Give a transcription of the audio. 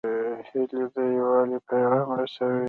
هیلۍ د یووالي پیغام رسوي